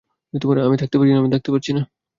আমি থাকতে পারছি না।